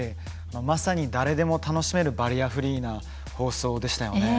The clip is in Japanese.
まさに誰でも楽しめるバリアフリーな放送でしたよね。